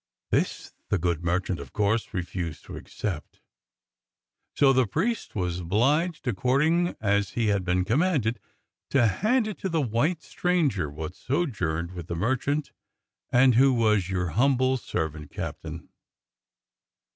This the good merchant, of course, refused to accept, so the priest was obhged, according as he had been commanded, to hand it to the white stranger wot sojourned with the merchant and who w^as your humble servant. Captain.